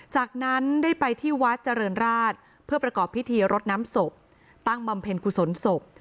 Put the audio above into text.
จากนั้นได้ไปที่วัดเจริญราชเพื่อประกอบพิธีรดน้ำศพตั้งบำเพ็ญกุศลศพ